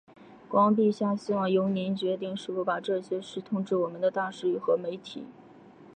国王陛下希望由您决定是否把这些事通知我们的大使和媒体。